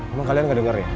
emang kalian gak denger ya